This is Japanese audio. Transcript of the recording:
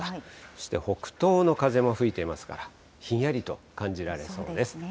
そして北東の風も吹いていますから、ひんやりと感じられそうです。